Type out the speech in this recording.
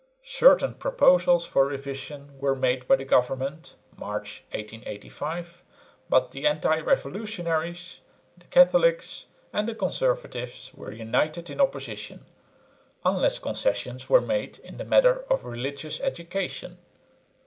Certain proposals for revision were made by the government (March, 1885), but the anti revolutionaries, the Catholics and the conservatives were united in opposition, unless concessions were made in the matter of religious education.